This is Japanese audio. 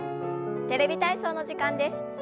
「テレビ体操」の時間です。